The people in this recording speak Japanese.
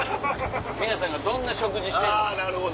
皆さんがどんな食事してるのか。